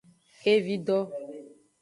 Xevido.